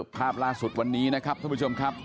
ภาพล่าสุดวันนี้นะครับท่านผู้ชมครับ